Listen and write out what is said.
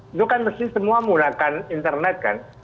itu kan mesti semua menggunakan internet kan